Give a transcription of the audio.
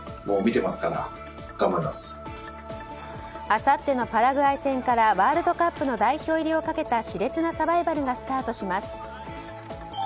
あさってのパラグアイ戦からワールドカップの代表入りをかけたし烈なサバイバルがスタートします。